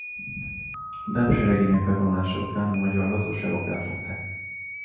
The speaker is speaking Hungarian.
Bem seregének bevonulása után a magyar hatóságok elfogták.